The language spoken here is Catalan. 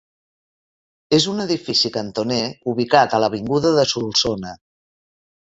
És un edifici cantoner ubicat a l'avinguda de Solsona.